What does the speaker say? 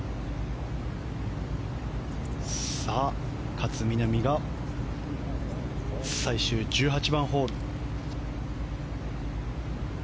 勝みなみが最終１８番ホール。